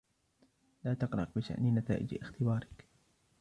لا تقلق بشأن نتائج إختبارك.